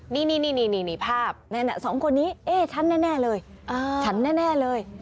นี่ภาพสองคนนี้ฉันแน่เลย